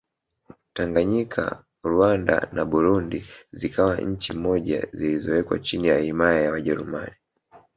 Tanganyika Rwanda na Burundi zikawa nchi moja zilizowekwa chini ya himaya ya Wajerumani